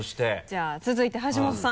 じゃあ続いて橋本さん。